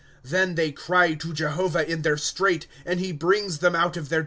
^'^ Then they cry to Jehovah in their strait. And he brings them out of their distresses.